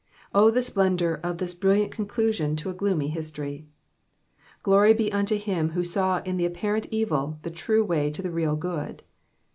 O the splendour of this brilliant conclu aion to a gloomy history. Glory be unto him who saw in the apparent evil the true way to the real good.